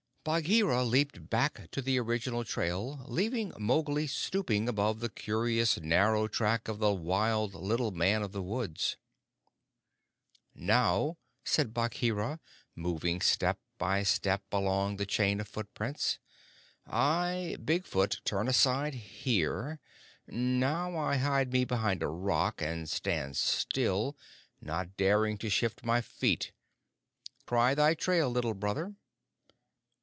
Bagheera leaped back to the original trail, leaving Mowgli stooping above the curious narrow track of the wild little man of the woods. "Now," said Bagheera, moving step by step along the chain of footprints, "I, Big Foot, turn aside here. Now I hide me behind a rock and stand still, not daring to shift my feet. Cry thy trail, Little Brother."